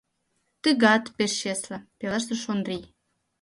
— Тыгат пеш чесле, — пелештыш Ондрий.